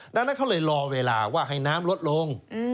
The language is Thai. ดังนั้นเขาเลยรอเวลาว่าให้น้ำลดลง